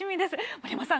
森山さん